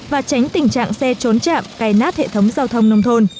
và tránh tình trạng xe trốn chạm cày nát hệ thống giao thông nông thôn